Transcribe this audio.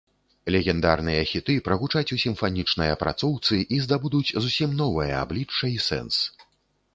Легендарныя хіты прагучаць у сімфанічнай апрацоўцы і здабудуць зусім новае аблічча і сэнс.